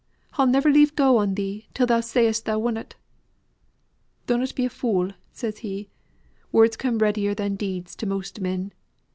I'll never leave go on thee, till thou sayst thou wunnot.' 'Dunnot be a fool,' says he, 'words come readier than deeds to most men.